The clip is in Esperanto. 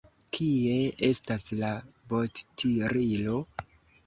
Kie estas la bottirilo?